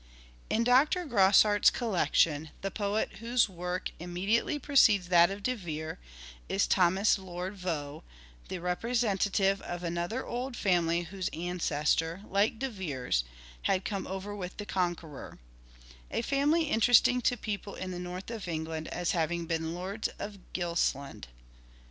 In Dr. Grosart's collection, the poet whose work im mediately precedes that of De Vere is Thomas Lord Vaux, the representative of another old family whose ancestor, like De Vere's, had " come over with the Conqueror "; a family interesting to people in the North of England as having been lords of Gilsland.